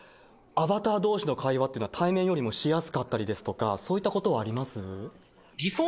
アバターどうしの会話っていうのは、対面よりもしやすかったりですとか、そういうことはありますか？